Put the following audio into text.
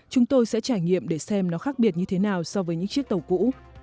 chúng tôi sẽ trải nghiệm để xem nó khác biệt như thế nào so với những chiếc tàu cũ